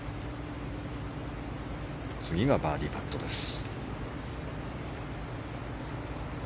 次がバーディーパットです。